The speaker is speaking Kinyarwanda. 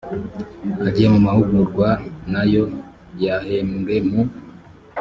ajye mu mahugurwa n’ayo yahembwe mu